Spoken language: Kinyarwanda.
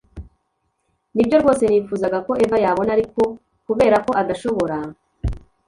nibyo rwose nifuzaga ko eva yabona, ariko kubera ko adashobora